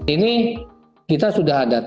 ini kita sudah ada